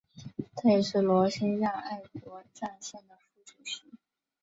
他也是罗兴亚爱国障线的副主席。